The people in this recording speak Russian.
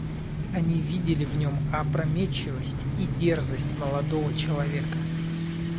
Они видели в нем опрометчивость и дерзость молодого человека.